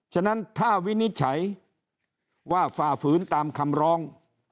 ฉะนั้นถ้าวินิจฉัยว่าฝ่าฝืนตามคำร้อง